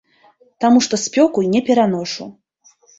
Таму што спёку не пераношу.